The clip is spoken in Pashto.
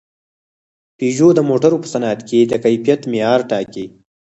پيژو د موټرو په صنعت کې د کیفیت معیار ټاکي.